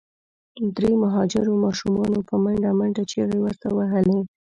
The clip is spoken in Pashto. درې مهاجرو ماشومانو په منډه منډه چیغي ورته وهلې.